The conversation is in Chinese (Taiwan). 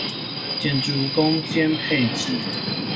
建築空間配置